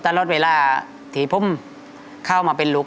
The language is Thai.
ตลอดเวลาที่ผมเข้ามาเป็นลูก